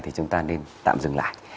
thì chúng ta nên tạm dừng lại